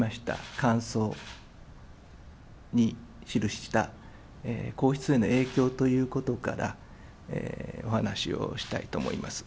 感想に記した皇室への影響ということから、お話をしたいと思います。